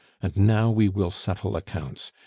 And now we will settle accounts.